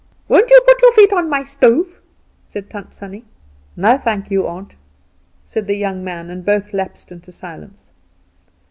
"Won't you put your feet on my stove?" said Tant Sannie. "No thank you, aunt," said the young man, and both lapsed into silence.